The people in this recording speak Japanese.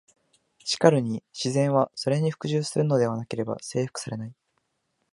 しかるに「自然は、それに服従するのでなければ征服されない」。